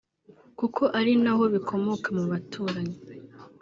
kuko ari na ho bikomoka mu baturanyi